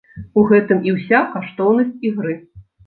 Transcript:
У гэтым і ўся каштоўнасць ігры.